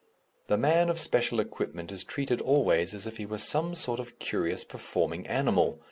The man of special equipment is treated always as if he were some sort of curious performing animal.